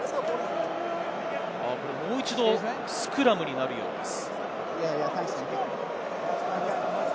もう一度、スクラムになるようです。